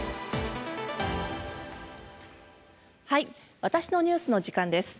「わたしのニュース」の時間です。